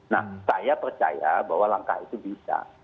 nah saya percaya bahwa langkah itu bisa